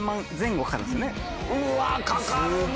うわかかるな。